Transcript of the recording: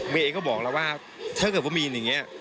เองก็บอกแล้วว่าถ้าเกิดว่ามีนอย่างนี้